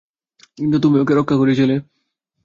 কিন্তু তুমি ওকে রক্ষা করেছিলে।